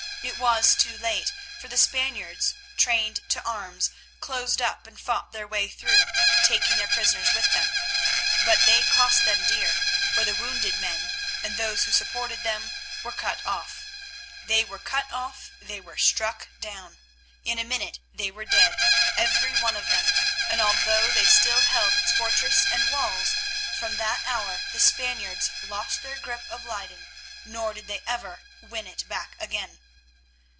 It was too late, for the Spaniards, trained to arms, closed up and fought their way through, taking their prisoners with them. But they cost them dear, for the wounded men, and those who supported them, were cut off. They were cut off, they were struck down. In a minute they were dead, every one of them, and although they still held its fortresses and walls, from that hour the Spaniards lost their grip of Leyden, nor did they ever win it back again.